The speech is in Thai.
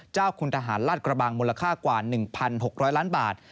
เจ้าคุณทหารลาดกระบังมูลค่ากว่า๑๖๐๐ล้านบาท